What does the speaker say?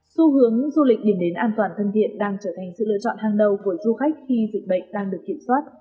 xu hướng du lịch điểm đến an toàn thân thiện đang trở thành sự lựa chọn hàng đầu của du khách khi dịch bệnh đang được kiểm soát